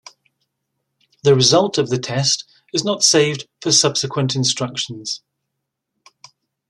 The result of the test is not saved for subsequent instructions.